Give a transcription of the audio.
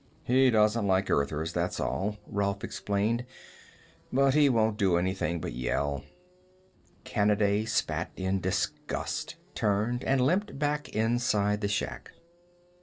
"He doesn't like Earthers, that's all," Rolf explained. "But he won't do anything but yell." Kanaday spat in disgust, turned, and limped back inside the shack.